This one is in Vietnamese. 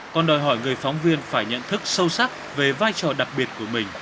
còn đòi hỏi người phóng viên phải nhận thức sâu sắc về vai trò đặc biệt của mình